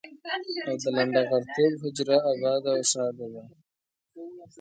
او د لنډه غرتوب حجره اباده او ښاده ده.